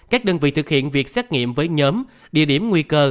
các đơn vị thực hiện việc xét nghiệm với nhóm địa điểm nguy cơ